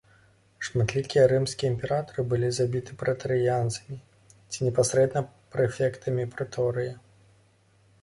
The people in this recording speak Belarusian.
Шматлікія рымскія імператары былі забіты прэтарыянцамі ці непасрэдна прэфектам прэторыя.